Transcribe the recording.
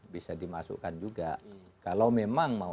bisa dimasukkan juga kalau memang mau